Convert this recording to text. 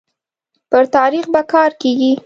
پر تاريخ به کار کيږي